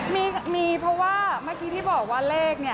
มีค่ะมีเพราะว่าเมื่อกี้ที่บอกว่าเลข